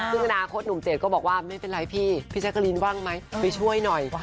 ซึ่งอนาคตหนุ่มเจดก็บอกว่าไม่เป็นไรพี่พี่แจ๊กกะลินว่างไหมไปช่วยหน่อย